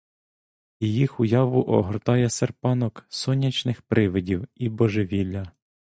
І їх уяву огортає серпанок сонячних привидів і божевілля.